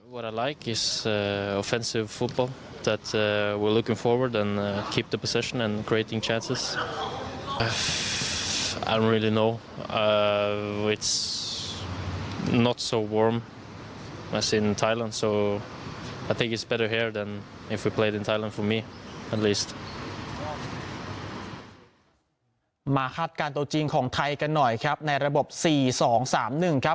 มาคาดการณ์ตัวจริงของไทยกันหน่อยครับในระบบสี่สองสามหนึ่งครับ